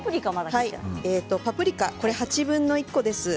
パプリカこれは８分の１個です。